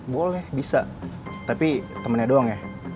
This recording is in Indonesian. boleh bisa tapi temennya doang ya